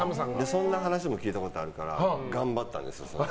そんな話も聞いたことあるから頑張ったんです。